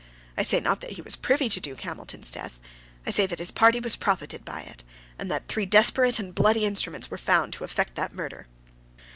I say not that he was privy to Duke Hamilton's death, I say that his party profited by it; and that three desperate and bloody instruments were found to effect that murder.